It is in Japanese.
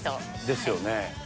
ですよね。